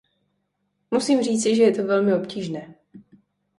Musím říci, že je to velmi obtížné.